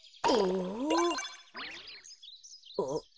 あっ。